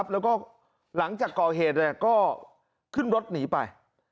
แล้วก็หลังจากก่อเหตุก็ขึ้นรถหนีไป